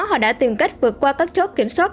họ đã tìm cách vượt qua các chốt kiểm soát